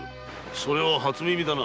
それは初耳だな。